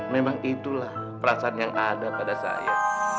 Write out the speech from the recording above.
memang itulah perasaan yang ada pada saya